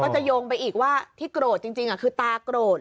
จะโยงไปอีกว่าที่โกรธจริงคือตาโกรธ